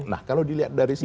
nah kalau dilihat dari sisi